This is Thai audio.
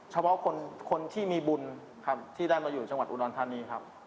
เฉพาะคนที่มีบุญครับที่ได้มาอยู่จังหวัดอุดรธานีครับ